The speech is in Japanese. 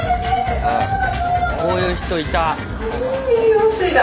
こういう人いた！